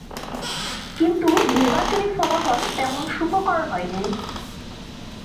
কিন্তু নির্বাচনী ফলাফল তেমন সুখকর হয়নি।